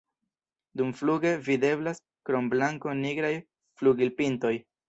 Dumfluge videblas krom blanko nigraj flugilpintoj.